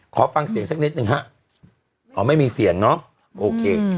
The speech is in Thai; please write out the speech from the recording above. ขอฟังเสียงสักนิดหนึ่งฮะอ๋อไม่มีเสียงเนอะโอเค